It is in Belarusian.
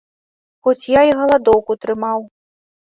Хоць я і галадоўку трымаў.